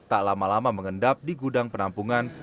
tak lama lama mengendap di gudang penampungan